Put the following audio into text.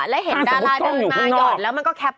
แล้วเห็นดาราด้านหน้ายอดแล้วมันก็แคปภาพนี้